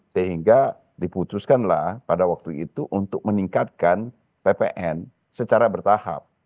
sehingga diputuskanlah pada waktu itu untuk meningkatkan ppn secara bertahap